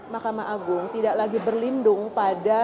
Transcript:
mahkamah agung tidak lagi berlindung pada